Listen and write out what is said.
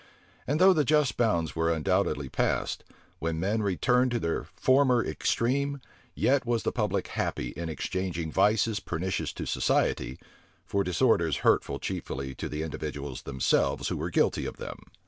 And though the just bounds were undoubtedly passed, when men returned from their former extreme, yet was the public happy in exchanging vices pernicious to society, for disorders hurtful chiefly to the individuals themselves who were guilty of them.